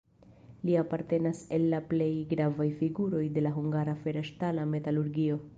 Li apartenas al la plej gravaj figuroj de la hungara fera-ŝtala metalurgio.